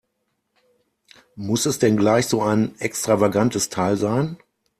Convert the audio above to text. Muss es denn gleich so ein extravagantes Teil sein?